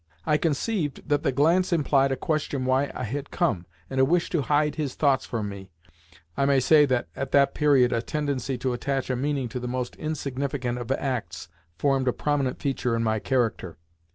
I conceived that the glance implied a question why I had come and a wish to hide his thoughts from me (I may say that at that period a tendency to attach a meaning to the most insignificant of acts formed a prominent feature in my character).